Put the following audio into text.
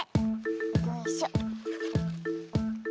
よいしょ。